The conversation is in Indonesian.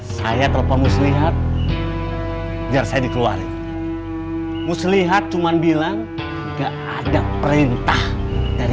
saya telepon muslihat biar saya dikeluarin muslihat cuman bilang enggak ada perintah dari